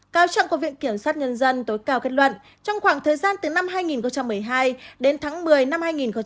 cao trọng của viện kiểm sát nhân dân tối cao kết luận trong khoảng thời gian từ năm hai nghìn một mươi hai đến tháng một mươi năm hai nghìn hai mươi hai